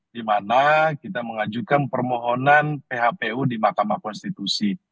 di mana kita mengajukan permohonan phpu di mahkamah konstitusi